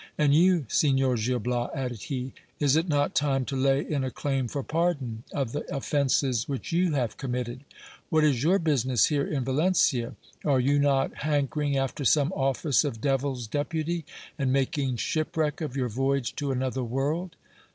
And you, Signor Gil Bias, added he, is it not time to lay in a claim for pardon of the offences which you have committed ? What is your business here in Valencia ? Are you not hankering after some office of devil's deputy, and making shipwreck of your voyage to another world